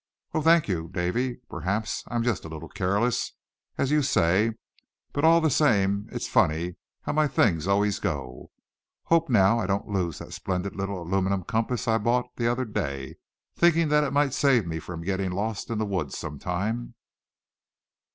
"Oh! thank you, Davy; perhaps I am just a little careless, as you say; but all the same it's funny how my things always go. Hope, now, I don't lose that splendid little aluminum compass I bought the other day, thinking that it might save me from getting lost in the woods some time."